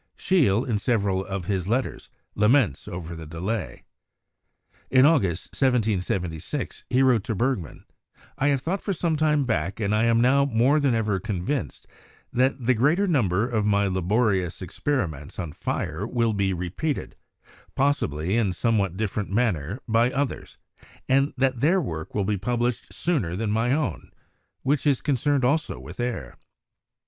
Scheele, in several of his letters, laments over the delay. In August, 1776, he wrote to Bergman: "I have thought for some time back, and I am now more than ever con vinced, that the greater number of my laborious experi ments on fire will be repeated, possibly in a somewhat dif ferent manner, by others, and that their work will be pub lished sooner than my own, which is concerned also with air.